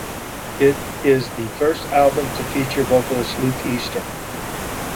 It is the first album to feature vocalist Luke Easter.